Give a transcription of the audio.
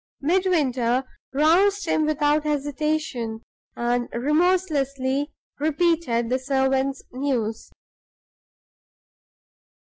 Midwinter roused him without hesitation, and remorselessly repeated the servant's news.